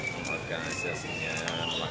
yang organisasinya pelaksanaannya sama saja